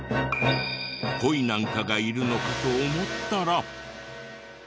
コイなんかがいるのかと思ったら。